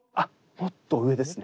もっと上ですね。